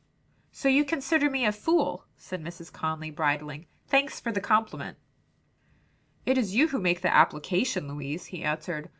"So you consider me a fool," said Mrs. Conly, bridling, "thanks for the compliment." "It is you who make the application, Louise," he answered.